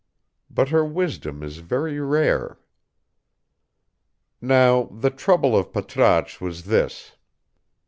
But her wisdom is very rare. Now, the trouble of Patrasche was this.